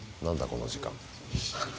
何だこの時間。